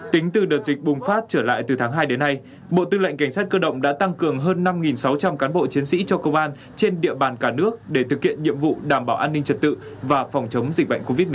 tính từ đợt dịch bùng phát trở lại từ tháng hai đến nay bộ tư lệnh cảnh sát cơ động đã tăng cường hơn năm sáu trăm linh cán bộ chiến sĩ cho công an trên địa bàn cả nước để thực hiện nhiệm vụ đảm bảo an ninh trật tự và phòng chống dịch bệnh covid một mươi chín